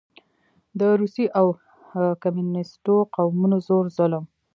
د روسي او کميونسټو قوتونو زور ظلم